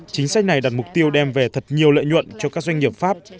chính sách này đặt mục tiêu đem về thật nhiều lợi nhuận cho các doanh nghiệp pháp